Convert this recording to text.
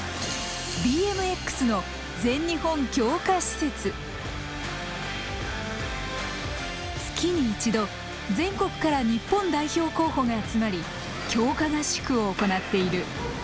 ＢＭＸの月に１度全国から日本代表候補が集まり強化合宿を行っている。